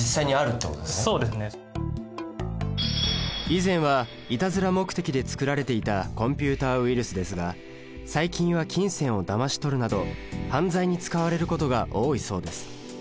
以前はいたずら目的で作られていたコンピュータウイルスですが最近は金銭をだましとるなど犯罪に使われることが多いそうです